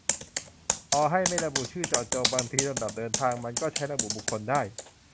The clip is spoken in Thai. - ต่อให้ไม่ระบุชื่อเจาะจง บางทีลำดับเดินทางมันก็ใช้ระบุบุคคลได้